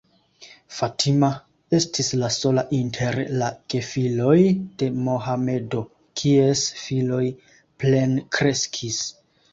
Fatima estis la sola inter la gefiloj de Mohamedo, kies filoj plenkreskis.